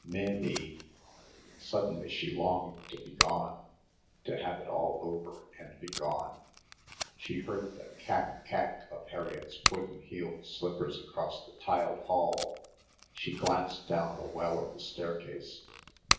"Mim my!" Suddenly she longed to be gone to have it all over and be gone. She heard the kak kak of Harriett's wooden heeled slippers across the tiled hall. She glanced down the well of the staircase.